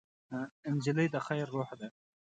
نجلۍ د خیر روح ده.